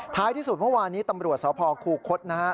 ท้ายที่สุดเมื่อวานนี้ตำรวจสคูกฤษฐ์นะฮะ